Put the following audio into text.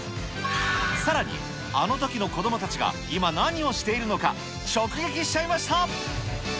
さらに、あのときの子どもたちが今、何をしているのか、直撃しちゃいました。